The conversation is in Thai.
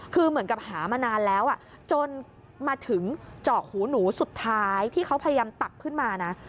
คือเหมือนกับหามานานแล้วจนมาถึงเจาะหูหนูสุดท้ายที่เขาพยายามตักขึ้นมานะ